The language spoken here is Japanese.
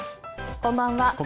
こんばんは。